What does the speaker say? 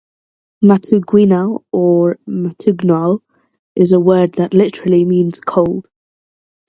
Matuguinao or "Matugnaw" is a word that literally means cold.